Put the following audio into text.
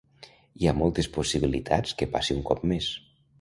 Hi ha moltes possibilitats que passi un cop més.